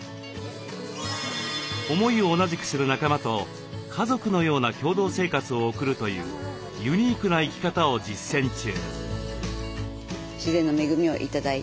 思いを同じくする仲間と家族のような共同生活を送るというユニークな生き方を実践中。